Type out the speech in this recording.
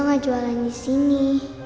nggak jualan disini